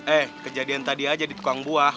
eh kejadian tadi aja di tukang buah